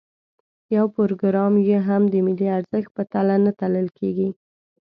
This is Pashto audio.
یو پروګرام یې هم د ملي ارزښت په تله نه تلل کېږي.